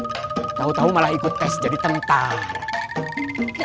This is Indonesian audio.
itu nggak fokus kita lagi butuh orang tahu malah ikut tes jadi tengkar kita doin aja terserah ke sendirian